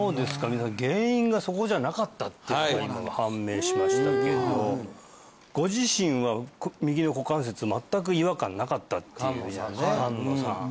皆さん原因がそこじゃなかったっていうのが今判明しましたけどご自身は右の股関節全く違和感なかったっていう菅野さん